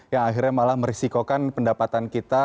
yang akhirnya malah merisikokan pendapatan kita